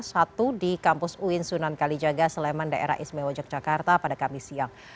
satu di kampus uin sunan kalijaga sleman daerah ismewa yogyakarta pada kamis siang